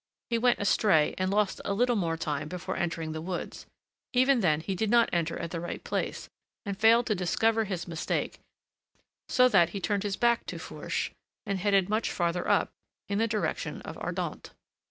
He went astray and lost a little more time before entering the woods; even then he did not enter at the right place, and failed to discover his mistake, so that he turned his back to Fourche and headed much farther up, in the direction of Ardentes.